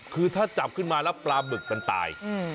คือถ้าจับขึ้นมาแล้วปลาบึกมันตาย